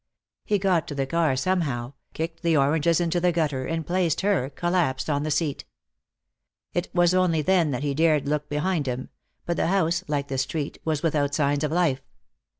He got to the car somehow, kicked the oranges into the gutter, and placed her, collapsed, on the seat. It was only then that he dared to look behind him, but the house, like the street, was without signs of life.